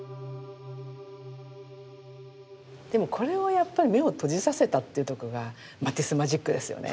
でもこれをやっぱり目を閉じさせたっていうとこがマティスマジックですよね。